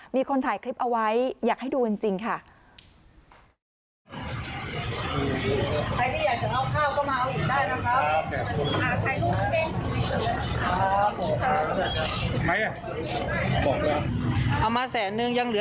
มีคนถ่ายคลิปเอาไว้อยากให้ดูจริงค่ะ